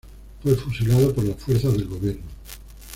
Fue fusilado por las fuerzas del Gobierno.